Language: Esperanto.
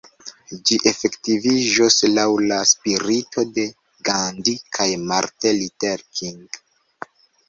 Ĝi efektiviĝos laŭ la spirito de Gandhi kaj Martin Luther King.